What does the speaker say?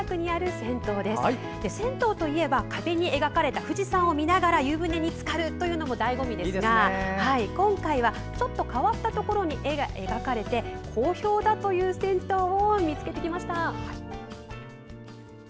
銭湯といえば壁に描かれた富士山を見ながら湯船につかるというのもだいご味ですが今回はちょっと変わったところに絵が描かれて好評だという銭湯を見つけてきました。